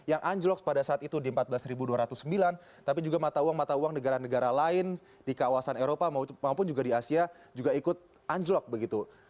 yang anjlok pada saat itu di empat belas dua ratus sembilan tapi juga mata uang mata uang negara negara lain di kawasan eropa maupun juga di asia juga ikut anjlok begitu